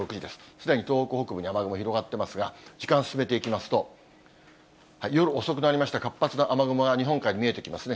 すでに東北北部に雨雲広がっていますが、時間進めていきますと、夜遅くなりまして、活発な雨雲が日本海に見えてきますね。